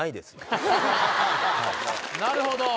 なるほど。